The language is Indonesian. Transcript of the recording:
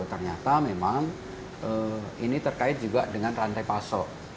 ternyata memang ini terkait juga dengan rantai pasok